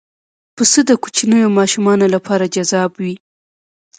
پسه د کوچنیو ماشومانو لپاره جذاب وي.